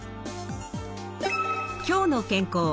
「きょうの健康」